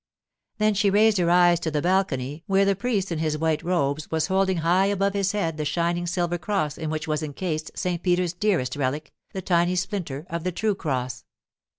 Then she raised her eyes to the balcony where the priest in his white robes was holding high above his head the shining silver cross in which was incased St. Peter's dearest relic, the tiny splinter of the true cross.